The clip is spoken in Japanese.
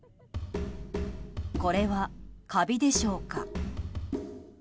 これはカビでしょうか。